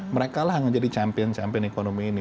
mereka lah yang jadi champion champion ekonomi ini